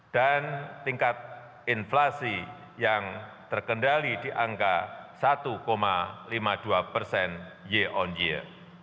tingkat inflasi yang terkendali di angka satu lima puluh dua persen year on year